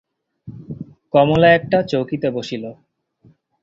কমলা একটা চৌকিতে বসিল।